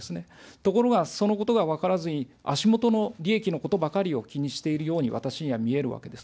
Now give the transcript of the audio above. ところがそのことが分からずに、足元の利益のことばかりを気にしているように私には見えるわけです。